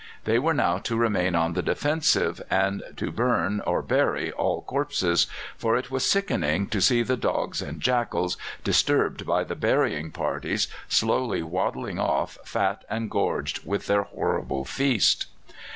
They were now to remain on the defensive, and to burn or bury all corpses. For it was sickening to see the dogs and jackals, disturbed by the burying parties, slowly waddling off, fat and gorged with their horrible feast.